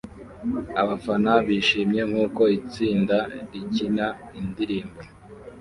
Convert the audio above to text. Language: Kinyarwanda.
Abafana bishimye nkuko itsinda rikina indirimbo